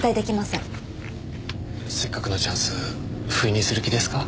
せっかくのチャンスふいにする気ですか？